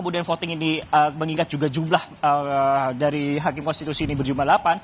dan voting ini mengingat juga jumlah dari hakim konstitusi ini berjumlah delapan